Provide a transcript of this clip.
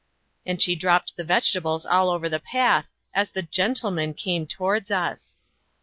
And she dropped the vegetables all over the path as the "gentleman" came towards us.